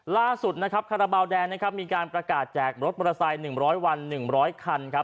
ล่าสุดนะครับคาราบาลแดนนะครับมีการประกาศแจกมรถมอเตอร์ไซค์หนึ่งร้อยวันหนึ่งร้อยคันครับ